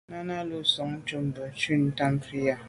Náná lù gə́ sɔ̀ŋdə̀ ncúp bû shúnì tâm prǐyà.